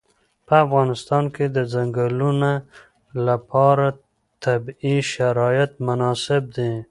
په افغانستان کې د ځنګلونه لپاره طبیعي شرایط مناسب دي.